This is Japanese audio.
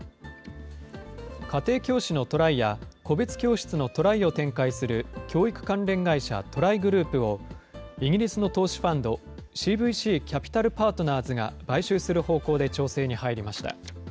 家庭教師のトライや、個別教室のトライを展開する教育関連会社、トライグループを、イギリスの投資ファンド、ＣＶＣキャピタル・パートナーズが買収する方向で調整に入りました。